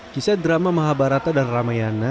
kisah drama mahabharata dan ramayana